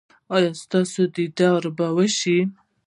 ایا ستاسو دیدار به وشي؟